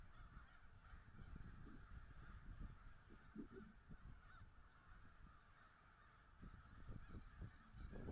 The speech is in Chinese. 林肯镇区为美国堪萨斯州赖斯县辖下的镇区。